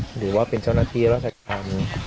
หรือว่าเป็นเจ้าหน้าที่ราชธรรม